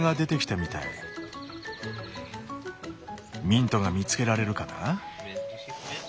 ミントが見つけられるかな？